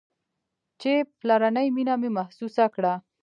چې پلرنۍ مينه مې محسوسه کړه.